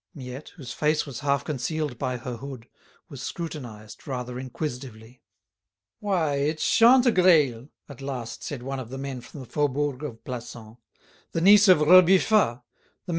Miette, whose face was half concealed by her hood, was scrutinised rather inquisitively. "Why, it's Chantegreil," at last said one of the men from the Faubourg of Plassans, "the niece of Rebufat, the _méger_[*] of the Jas Meiffren."